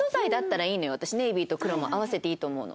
私ネイビーと黒も合わせていいと思うの。